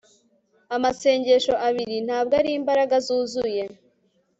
Amasengesho abiri ntabwo ari imbaraga zuzuye